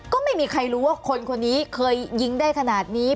ก็ไม่มีใครรู้ว่าคนคนนี้เคยยิงได้ขนาดนี้